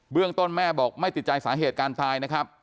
เรื่องต้นแม่บอกไม่ติดใจสาเหตุการตายนะครับ